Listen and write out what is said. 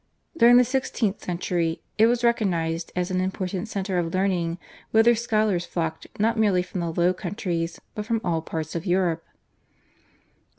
During the sixteenth century it was recognised as an important centre of learning whither scholars flocked not merely from the Low Countries but from all parts of Europe.